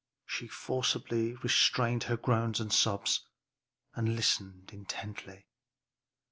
She forcibly restrained her groans and sobs, and listened intently.